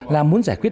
là muốn giải quyết